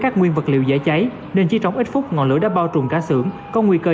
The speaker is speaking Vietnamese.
các nguyên vật liệu dễ cháy nên chỉ trong ít phút ngọn lửa đã bao trùm cả xưởng có nguy cơ